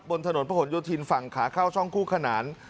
บนถนนพษธรณอยโทษทีลฝั่งขาเข้าช่องคู่คะนาน